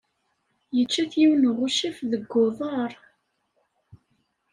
Yečča-t yiwen uɣucaf deg uḍar.